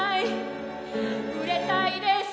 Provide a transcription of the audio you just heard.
熟れたいです」